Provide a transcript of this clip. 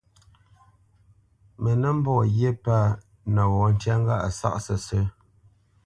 Mə nə́ mbɔ́ ghyé pə̂ nəwɔ̌ ntyá ŋgâʼ a sáʼ sə́sə̄.